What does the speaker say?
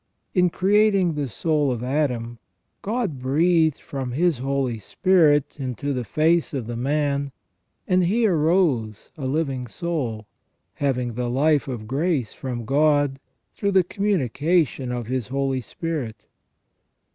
In creating the soul of Adam, God breathed from His Holy Spirit into the face of the man, and he arose a living soul, having the life of grace from God, through the communication of His Holy Spirit.